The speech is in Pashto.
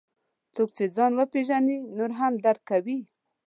څوک چې ځان وپېژني، نور هم درک کوي.